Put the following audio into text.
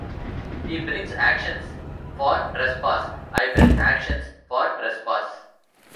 He brings actions for trespass; I bring actions for trespass.